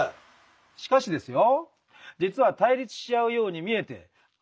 しかしですよ